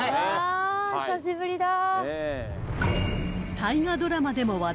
久しぶりだ。